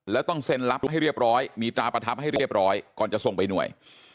แล้วต้องเซ็นรับให้เรียบร้อยมีตราประทับให้เรียบร้อยก่อนจะส่งไปหน่วย